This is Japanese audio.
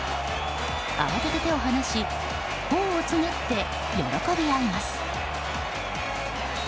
慌てて手を離し頬をつねって喜び合います。